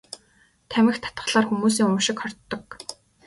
Тамхи татахлаар хүмүүсийн уушиг хордог.